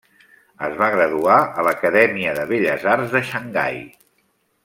Es va graduar a l'Acadèmia de Belles Arts de Xangai.